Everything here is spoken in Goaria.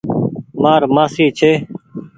مآر مآسي ڇي۔